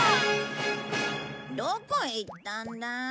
どこへ行ったんだ？